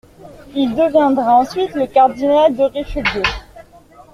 Il deviendra ensuite le cardinal de Richelieu.